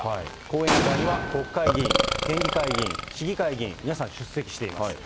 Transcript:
講演会には、国会議員、県議会議員、市議会議員、皆さん出席しています。